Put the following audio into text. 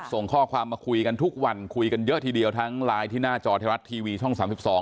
ส่งข้อความมาคุยกันทุกวันคุยกันเยอะทีเดียวทั้งไลน์ที่หน้าจอไทยรัฐทีวีช่องสามสิบสอง